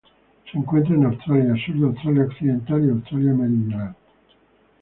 Se encuentra en Australia: sur de Australia Occidental y Australia Meridional.